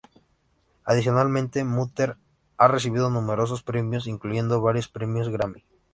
Adicionalmente, Mutter ha recibido numerosos premios, incluyendo varios premios Grammy.